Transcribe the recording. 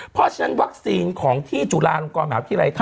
เพราะฉะนั้นวัคซีนของที่จุฬาลงกรแหมวที่ไลท์ทำ